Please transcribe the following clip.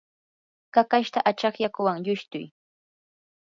kakashta achaq yakuwan lushtuy.